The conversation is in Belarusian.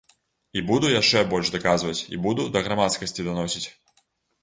І буду яшчэ больш даказваць, і буду да грамадскасці даносіць.